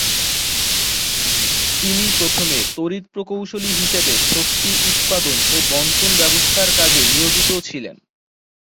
তিনি প্রথমে তড়িৎ প্রকৌশলী হিসেবে শক্তি উৎপাদন ও বণ্টন ব্যবস্থার কাজে নিয়োজিত ছিলেন।